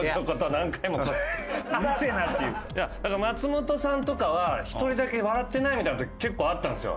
松本さんとかは「１人だけ笑ってない？」みたいな時結構あったんですよ。